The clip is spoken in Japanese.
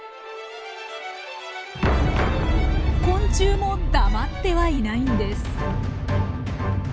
昆虫も黙ってはいないんです。